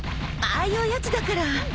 ああいうやつだから。